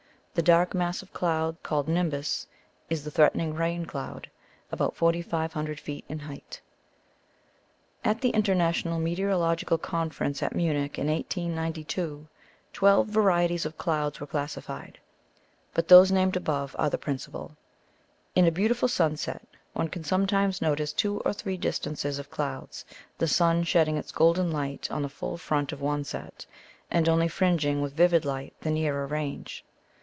The dark mass of cloud, called nimbus, is the threatening rain cloud, about 4500 feet in height. At the International Meteorological Conference at Munich, in 1892, twelve varieties of clouds were classified, but those named above are the principal. In a beautiful sunset one can sometimes notice two or three distances of clouds, the sun shedding its gold light on the full front of one set, and only fringing with vivid light the nearer range.